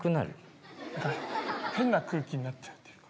変な空気になっちゃうっていうか。